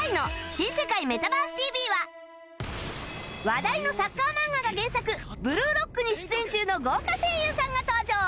話題のサッカー漫画が原作『ブルーロック』に出演中の豪華声優さんが登場